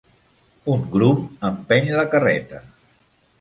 Un grum empeny la carreta.